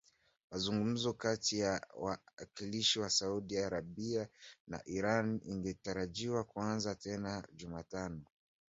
mazungumzo kati ya wawakilishi wa Saudi Arabia na Iran ingetarajiwa kuanza tena Jumatano